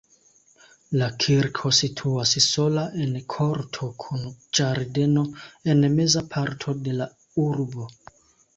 La kirko situas sola en korto kun ĝardeno en meza parto de la urbo.